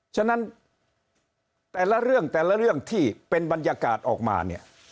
ฉะนั้นแต่ละเรื่องแต่ละเรื่องที่เป็นบรรยากาศออกมาเนี่ย